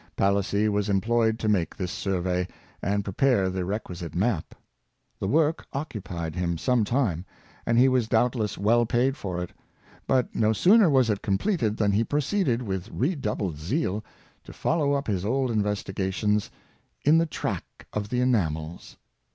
Palissy was employed to make this survey, and prepare the req uisite map. The work occupied him some time, and he was doubtless well paid for it; but no sooner was it completed than he proceeded, with redoubled zeal, to follow up his old investigations '' in the track of the enamels."